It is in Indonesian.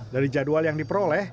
dari jadwal yang diperoleh